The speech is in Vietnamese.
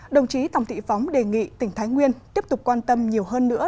đồng chí tòng thị phóng đề nghị tỉnh thái nguyên tiếp tục quan tâm nhiều hơn nữa